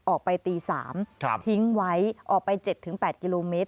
ออกไปตี๓ทิ้งไว้ออกไป๗๘กิโลเมตร